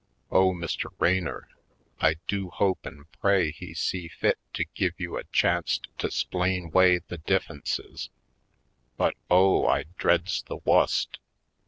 Oh, Mr. Raynor, I do hope an' pray he see fit to give you a chanc't to 'splain 'way the diiife'nces! But, oh, I dreads the wust!